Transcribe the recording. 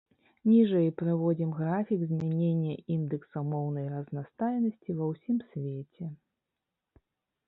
Ніжэй прыводзім графік змянення індэкса моўнай разнастайнасці ва ўсім свеце.